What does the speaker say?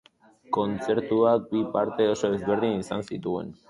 Kontzertuak bi parte oso ezberdin izan zituen.